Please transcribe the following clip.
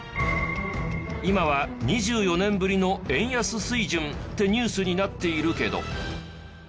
今は２４年ぶりの円安水準ってニュースになっているけど。